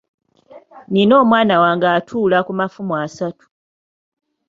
Nina omwana wange atuula ku mafumu asatu.